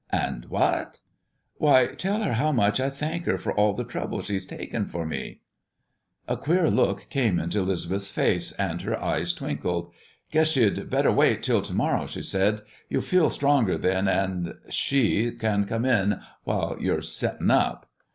"And what?" "Why, tell her how much I thank her for all the trouble she has taken for me." A queer look came into 'Lisbeth's face, and her eyes twinkled. "Guess ye'd better wait till to morrow," she said. "You'll feel stronger then, and she can come in while you're settin' up."